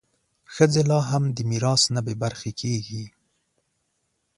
ښځې لا هم د میراث نه بې برخې کېږي.